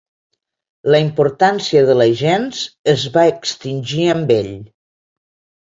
La importància de la gens es va extingir amb ell.